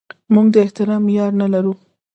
موږ د احترام معیار نه لرو.